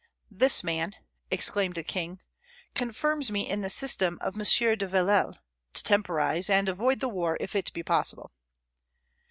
"This man," exclaimed the king, "confirms me in the system of M. de Villèle, to temporize, and avoid the war if it be possible."